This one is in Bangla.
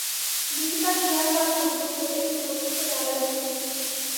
দীপিকার শেয়ার করা ছবিটি মূলত একটি মুদ্রিত ম্যাগাজিনের।